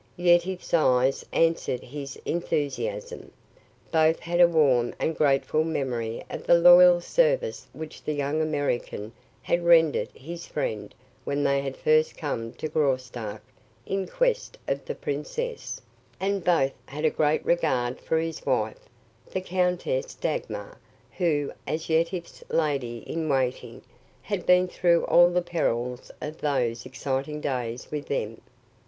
Yetive's eyes answered his enthusiasm. Both had a warm and grateful memory of the loyal service which the young American had rendered his friend when they had first come to Graustark in quest of the princess; and both had a great regard for his wife, the Countess Dagmar, who, as Yetive's lady in waiting, had been through all the perils of those exciting days with them.